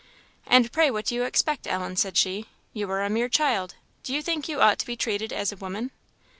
"And pray what do you expect, Ellen?" said she. "You are a mere child; do you think you ought to be treated as a woman?"